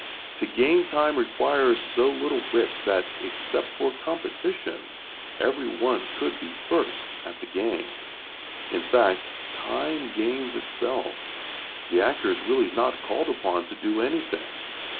To gain time requires so little wit that, except for competition, every one could be first at the game. In fact, time gains itself. The actor is really not called upon to do anything.